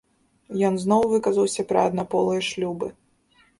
Ён зноў выказаўся пра аднаполыя шлюбы.